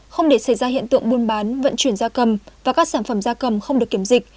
không để xảy ra hiện tượng buôn bán vận chuyển da cầm và các sản phẩm da cầm không được kiểm dịch